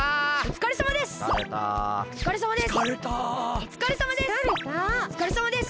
おつかれさまです！